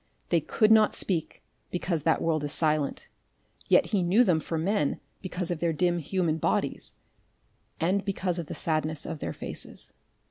They could not speak because that world is silent, yet he knew them for men because of their dim human bodies, and because of the sadness of their faces.